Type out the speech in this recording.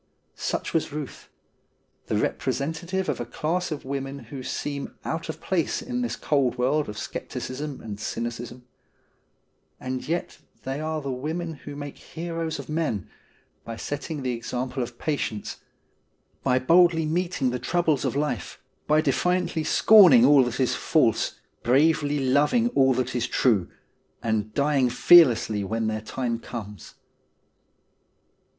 Such was Euth ; the representative of a class of women who seem out of place in this cold world of scepticism and cynicism. And yet they are the women who make heroes of men, by setting the example of patience, by boldly meeting the troubles of life, by defiantly scorning all that is false bravely loving all that is true, and dying fearlessly when their time comes.